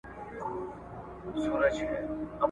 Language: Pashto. که څوک غواړي، چي رښتيني خوبونه وويني.